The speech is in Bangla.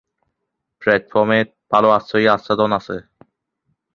প্ল্যাটফর্মে ভাল আশ্রয়ের আচ্ছাদন আছে।